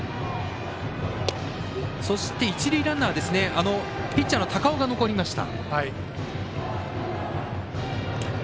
一塁ランナーピッチャーの高尾が残りました。